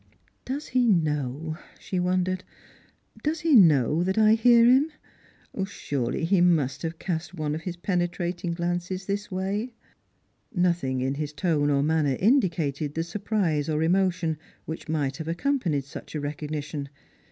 " Does he know P " she wondered ;" does he know that J Strangers and Pilgrims. 299 hoar him P Surely he must have cast one of his penetrating glances this way." Nothing in his tone or manner indicated the surprise or emo tion which might have accompanied such a recognition.